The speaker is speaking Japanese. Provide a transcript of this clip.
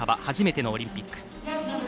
初めてのオリンピック。